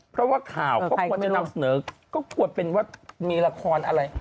เพราะว่าข่าวก็ควรจะนำเสนอก็ควรเป็นว่ามีละครอะไร